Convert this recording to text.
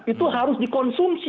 itu harus dikonsumsi